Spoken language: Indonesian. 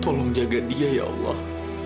tolong jaga dia ya allah